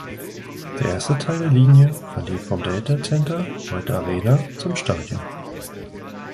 Der erste Teil der Linie verlief vom Delta Center (heute Arena) zum Stadion.